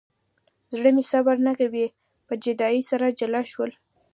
زړه مې صبر نه کوي په جدایۍ سره جلا شول.